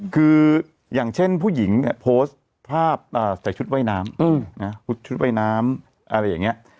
คืออย่างเช่นผู้หญิงเนี่ยโพสต์ภาพใส่ชุดว่ายน้ำชุดว่ายน้ำอะไรอย่างนี้